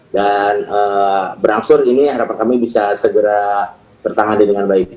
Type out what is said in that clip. dan berangsur ini harapan kami bisa segera bertangani dengan baik